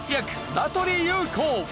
名取裕子。